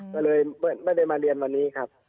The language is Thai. ก็เลยไม่ได้มาเรียนวันนี้ครับ